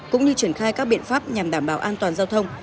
cũng như triển khai các biện pháp nhằm đảm bảo an toàn giao thông